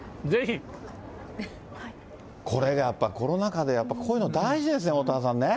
これ、やっぱコロナ禍でやっぱりこういうの大事ですね、おおたわさんね。